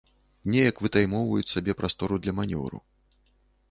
Неяк вытаймоўваюць сабе прастору для манеўру.